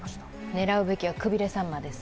狙うべきはクビレサンマです。